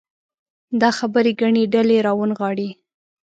دا خبرې ګڼې ډلې راونغاړي.